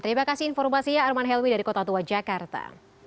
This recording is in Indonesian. terima kasih informasinya arman helmi dari kota tua jakarta